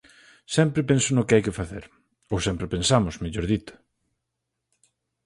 Sempre penso no que hai que facer; ou sempre pensamos, mellor dito.